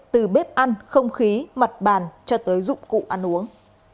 từ bếp ăn không khí mặt bàn cho tới dụng cụ ăn uống